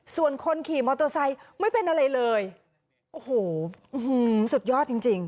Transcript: ส่วนคนขี่มอเตอร์ไซค์ไม่เป็นอะไรเลยโอ้โหสุดยอดจริงจริง